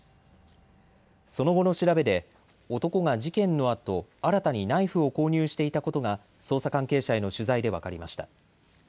その後の調べで男が事件のあと新たにナイフを購入していたことが捜査関係者への取材で分かりました。